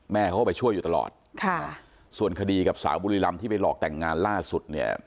แม่เขาก็ไปช่วยอยู่ตลอดค่ะส่วนคดีกับสาวบุรีรำที่ไปหลอกแต่งงานล่าสุดเนี่ย